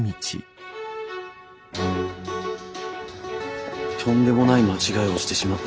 とんでもない間違いをしてしまったのかもしれない。